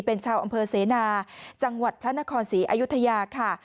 เป็นชาวอำเภอเสนาจังหวัดพระนครศรีอยุธยาค่ะ